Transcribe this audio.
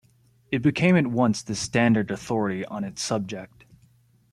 It became at once the standard authority on its subject.